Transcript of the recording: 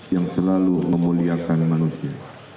yang selalu memuliakan manusia